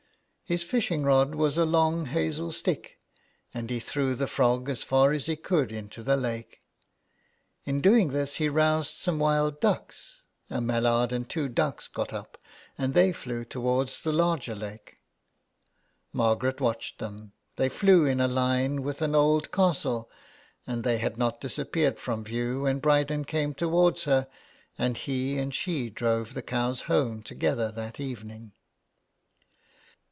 His fishing rod was a long hazel stick, and he threw the frog as far as he could into the lake. In doing this he roused some wild ducks; a mallard and two ducks got up, and they flew toward the larger lake. Margaret watched them ; they flew in a line with an old castle ; and they had not disappeared from view when Bryden came toward her, and he and she drove the cows home together that evening.